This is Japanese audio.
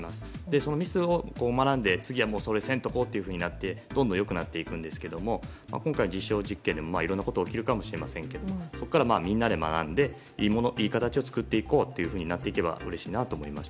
そのミスを学んで次は、せんとこってなってどんどん良くなっていくんですけど今回の実証実験でもいろんなこと起きるかもしれませんがそこから学んでいいものを作っていこうとなればうれしいなと思います。